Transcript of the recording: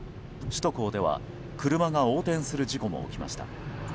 首都高では車が横転する事故も起きました。